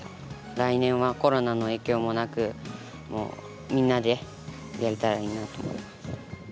来年はコロナの影響もなく、みんなでやれたらいいなと思います。